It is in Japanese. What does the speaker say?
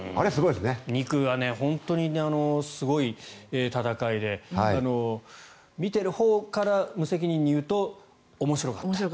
２区が本当にすごい戦いで見ているほうから無責任に言うと面白かった。